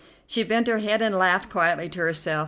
She bent her head and laughed quietly to herself.